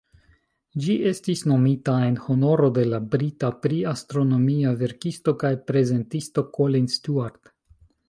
Ĝi estis nomita en honoro de la brita pri-astronomia verkisto kaj prezentisto "Colin Stuart".